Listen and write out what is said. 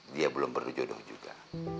dia belum perlu jodoh juga